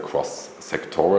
trong các vấn đề